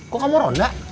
kok kamu ronda